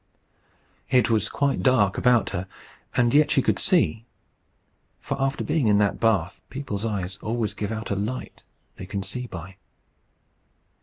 It was quite dark about her, and yet she could see. For after being in that bath, people's eyes always give out a light they can see by.